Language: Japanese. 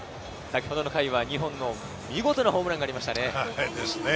先ほどの回は２本の見事なホームランがありましたね。